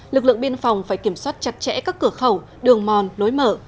lực lượng biên phòng phải kiểm soát chặt chẽ các cửa khẩu đường mòn lối mở